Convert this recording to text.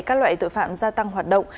các loại tội phạm gia tăng hoạt động